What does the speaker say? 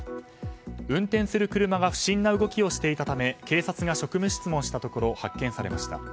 運転する車が不審な動きをしていたため警察が職務質問したところ発見されました。